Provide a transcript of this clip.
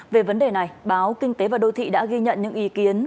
về vấn đề này báo kinh tế và đô thị đã ghi nhận những ý kiến